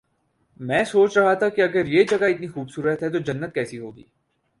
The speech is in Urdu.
میں سوچ رہا تھا کہ اگر یہ جگہ اتنی خوب صورت ہے تو جنت کیسی ہو گی